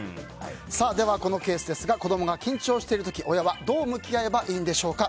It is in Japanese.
このケースですが子供が緊張している時親はどう向き合えばいいんでしょうか。